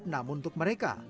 namun untuk mereka